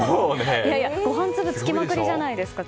ご飯粒つきまくりじゃないですか。